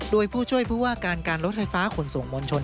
โดยผู้ช่วยผู้ว่าการการรถไฟฟ้าขนส่งมวลชน